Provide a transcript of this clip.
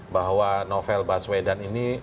bahwa novel baswedan ini